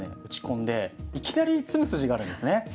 打ち込んでいきなり詰む筋があるんですね。